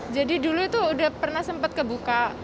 jadi dulu itu sudah pernah sempat kebuka